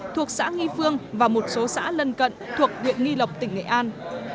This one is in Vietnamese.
thuộc xã nghi phương và một số xã lân cận thuộc huyện nghi lộc tỉnh nghệ an